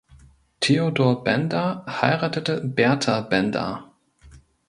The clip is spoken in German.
Theodor Benda heiratete Bertha Benda.